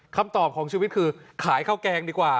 คำตอบของชีวิตคือขายข้าวแกงดีกว่า